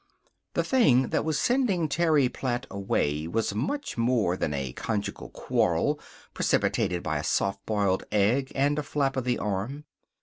The thing that was sending Terry Platt away was much more than a conjugal quarrel precipitated by a soft boiled egg and a flap of the arm.